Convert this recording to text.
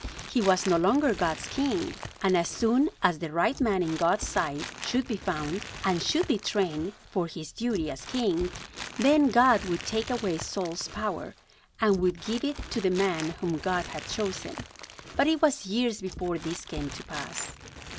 He was no longer God's king; and as soon as the right man in God's sight should be found, and should be trained for his duty as king, then God would take away Saul's power, and would give it to the man whom God had chosen. But it was years before this came to pass.